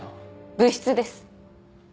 部室です。